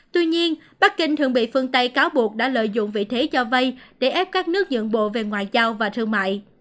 tuy nhiên bắc kinh thường bị phương tây cáo buộc đã lợi dụng vị thế cho vay để ép các nước dẫn bộ về ngoại giao và thương mại